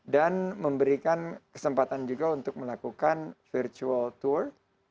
dan memberikan kesempatan juga untuk melakukan virtual tour